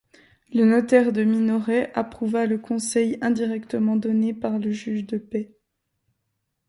Le notaire de Minoret approuva le conseil indirectement donné par le juge de paix.